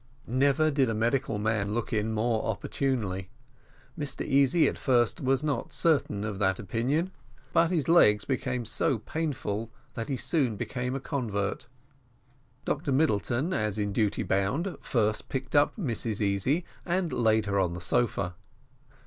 Never did a medical man look in more opportunely. Mr Easy at first was not certainly of that opinion, but his legs became so painful that he soon became a convert. Dr Middleton, as in duty bound, first picked up Mrs Easy, and laid her on the sofa.